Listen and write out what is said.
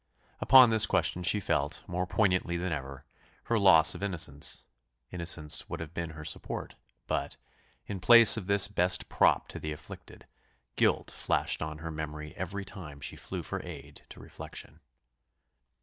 Upon this question she felt, more poignantly than ever, her loss of innocence: innocence would have been her support, but, in place of this best prop to the afflicted, guilt flashed on her memory every time she flew for aid to reflection.